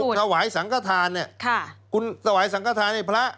เวลาคุณถวายสังขทานคุณถวายสังขทานให้พระ